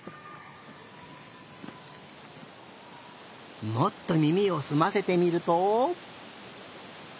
もっとみみをすませてみると？